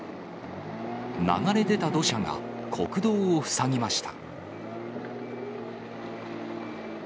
流れ出た土砂が、国道を塞ぎました。